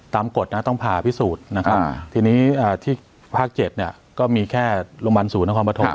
กฎนะต้องผ่าพิสูจน์นะครับทีนี้ที่ภาค๗เนี่ยก็มีแค่โรงพยาบาลศูนย์นครปฐม